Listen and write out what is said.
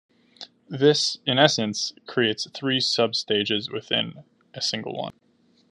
This, in essence, creates three sub-stages within a single one.